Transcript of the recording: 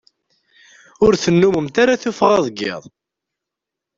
Ur tennumemt ara tuffɣa deg iḍ.